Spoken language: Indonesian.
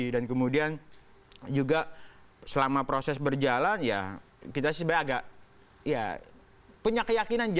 dan kemudian juga selama proses berjalan kita sebenarnya agak punya keyakinan